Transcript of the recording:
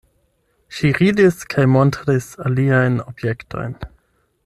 Ŝi ridis kaj montris aliajn objektojn.